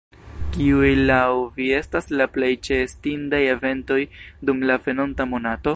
Kiuj laŭ vi estas la plej ĉeestindaj eventoj dum la venonta monato?